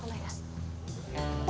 gak boleh terjadi oke